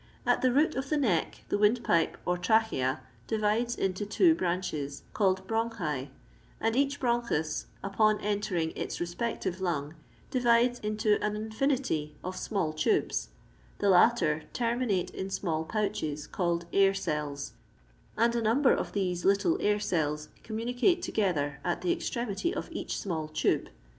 At the root of the neck the wind pipe, or trachea, divides into two branches, called bronchi, and each bronchos, upon entering its respective lung, divides into an infinity of small tubes; iIm; latter terminate in small pouches, called air cells, and a numher of these little aircells communicate together at the extremity of each snmll tube.